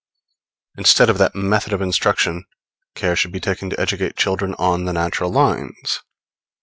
Instead of that method of instruction, care should be taken to educate children on the natural lines.